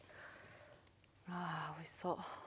あおいしそう。